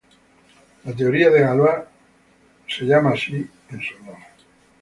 La teoría de Galois es llamada así en su honor.